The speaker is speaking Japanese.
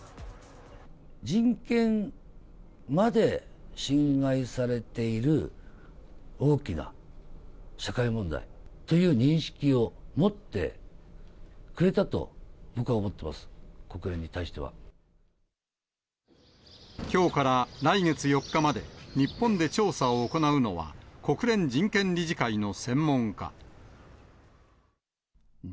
人権まで侵害されている大きな社会問題という認識を持ってくれたと僕は思っています、国連にきょうから来月４日まで、日本で調査を行うのは、国連人権理事会の専門家。